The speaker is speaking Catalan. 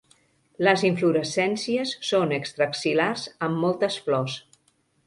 Les inflorescències són extraaxil·lars, amb moltes flors.